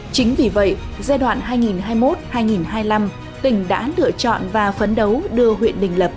chính vì vậy giai đoạn hai nghìn hai mươi một hai nghìn hai mươi năm tỉnh đã lựa chọn và phấn đấu đưa huyện đình lập